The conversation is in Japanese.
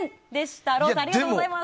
ローさん、ありがとうございます。